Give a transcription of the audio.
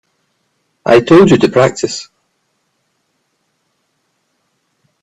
I told you to practice.